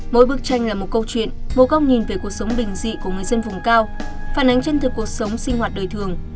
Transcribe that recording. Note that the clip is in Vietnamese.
mỗi bức tranh là một câu chuyện một góc nhìn về cuộc sống bình dị của người dân vùng cao phản ánh chân thực cuộc sống sinh hoạt đời thường